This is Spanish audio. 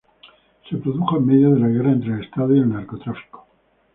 Se produjo en medio de la guerra entre el Estado y el narcotráfico.